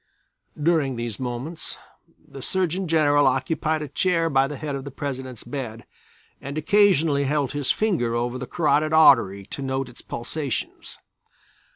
During these moments the Surgeon General occupied a chair by the head of the President's bed and occasionally held his finger over the carotid artery to note its pulsations.